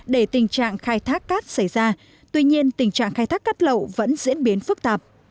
để tình trạng khai thác cát xảy ra tuy nhiên tình trạng khai thác cát lậu vẫn diễn biến phức tạp